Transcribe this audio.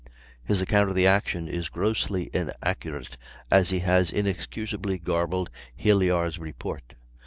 His account of the action is grossly inaccurate as he has inexcusably garbled Hilyar's report.